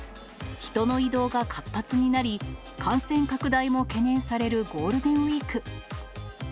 人の移動が活発になり、感染拡大も懸念されるゴールデンウィーク。